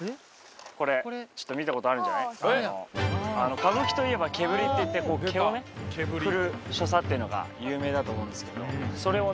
歌舞伎といえば毛振りっていって毛をね振る所作っていうのが有名だと思うんですけどそれをね